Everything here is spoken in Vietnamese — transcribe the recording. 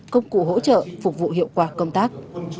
công cụ hỗ trợ phục vụ hiệu quả công tác